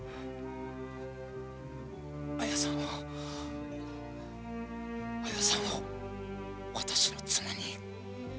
綾さんを綾さんを私の妻に。